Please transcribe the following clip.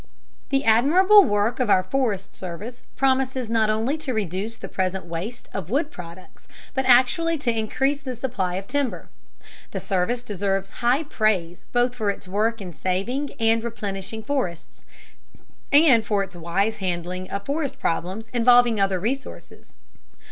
The admirable work of our Forest Service promises not only to reduce the present waste of wood products, but actually to increase the supply of timber. The Service deserves high praise both for its work in saving and replenishing forests, and for its wise handling of forest problems involving other resources.